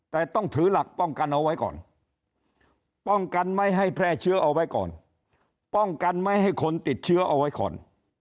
แต่ต้องถือหลักป้องกันเอาไว้ก่อนป้องกันไม่ให้แพร่เชื้อเอาไว้ก่อนป้องกันไม่ให้คนติดเชื้อเอาไว้ก่อน